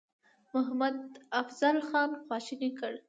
محمدافضل خان خواشینی کړ.